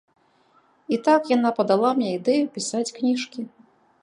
І так яна падала мне ідэю пісаць кніжкі.